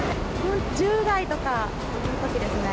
１０代とかのときですね。